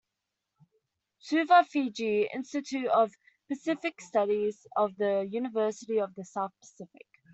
Suva, Fiji: Institute of Pacific Studies of the University of the South Pacific.